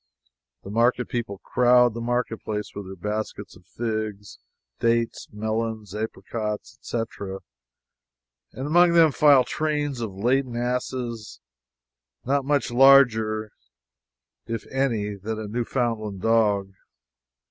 The market people crowd the marketplace with their baskets of figs, dates, melons, apricots, etc., and among them file trains of laden asses, not much larger, if any, than a Newfoundland dog.